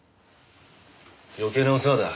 余計なお世話だ。